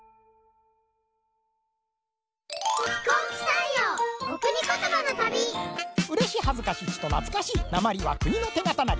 いみはうれしはずかしちとなつかしいなまりは国のてがたなり。